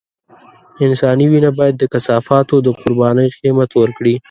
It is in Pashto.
انساني وينه بايد د کثافاتو د قربانۍ قيمت ورکړي.